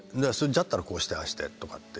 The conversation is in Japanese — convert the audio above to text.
だったらこうしてああしてとかって。